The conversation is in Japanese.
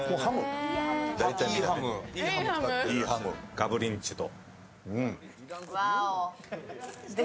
ガブリンチと。